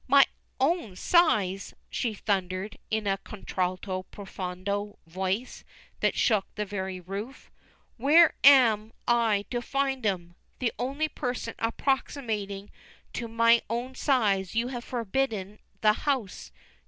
"My own size!" she thundered, in a contralto profundo voice that shook the very roof. "Where am I to find 'em? The only person approximating to my own size you have forbidden the house.